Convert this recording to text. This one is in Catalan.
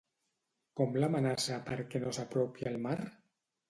Com l'amenaça perquè no s'apropi al mar?